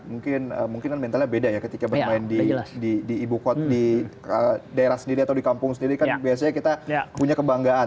mungkin kan mentalnya beda ya ketika bermain di ibukot di daerah sendiri atau di kampung sendiri kan biasanya kita punya kebanggaan